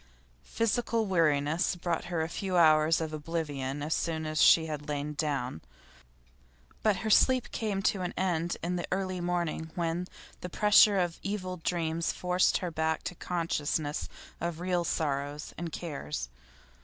Physical weariness brought her a few hours of oblivion as soon as she had lain down, but her sleep came to an end in the early morning, when the pressure of evil dreams forced her back to consciousness of real sorrows and cares.